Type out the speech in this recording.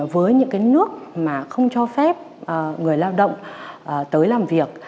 với những cái nước mà không cho phép người lao động tới làm việc